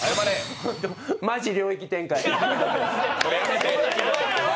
マジ領域展開。